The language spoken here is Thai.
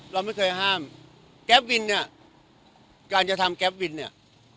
เราไม่เคยห้ามแก๊ปวินเนี่ยการจะทำแก๊ปวินเนี่ย